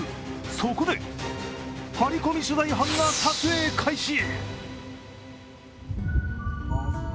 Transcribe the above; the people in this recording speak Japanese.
そこで、ハリコミ取材班が撮影開始